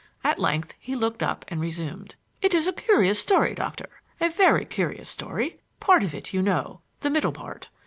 At length he looked up and resumed: "It is a curious story, Doctor a very curious story. Part of it you know the middle part.